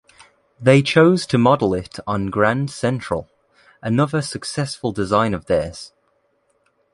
They chose to model it on Grand Central, another successful design of theirs.